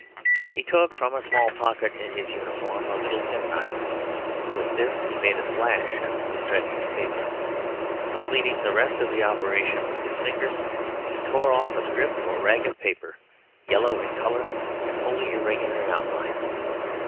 He took from a small pocket in his uniform a little penknife; with this he made a slash at the stretched paper. Completing the rest of the operation with his fingers, he tore off a strip or rag of paper, yellow in colour and wholly irregular in outline.